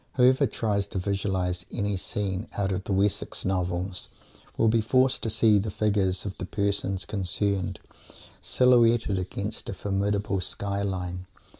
Whoever tries to visualize any scene out of the Wessex Novels will be forced to see the figures of the persons concerned "silhouetted" against a formidable skyline.